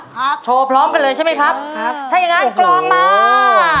ครับโชว์พร้อมกันเลยใช่ไหมครับครับถ้าอย่างงั้นกรองมา